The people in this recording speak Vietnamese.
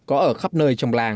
ở khắp nơi trong làng